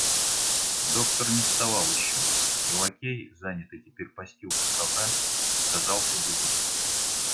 Доктор не вставал еще, и лакей, занятый теперь постилкой ковра, отказался будить.